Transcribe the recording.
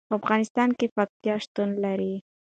په افغانستان کې پکتیا شتون لري.